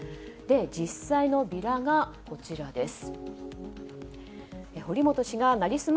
実際のビラがこちらです。